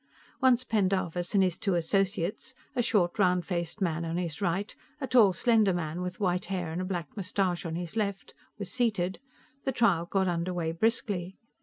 Once Pendarvis and his two associates a short, roundfaced man on his right, a tall, slender man with white hair and a black mustache on his left were seated, the trial got underway briskly.